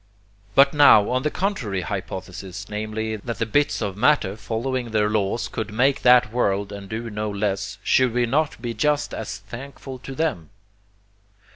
But now, on the contrary hypothesis, namely, that the bits of matter following their laws could make that world and do no less, should we not be just as thankful to them?